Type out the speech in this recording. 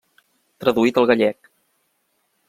Traduït al Gallec.